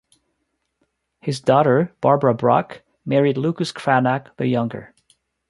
His daughter Barbara Bruck married Lucas Cranach the Younger.